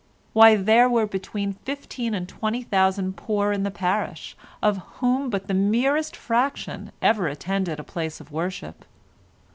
Why there were between fifteen and twenty thousand poor in the parish, of whom but the merest fraction ever attended a place of worship.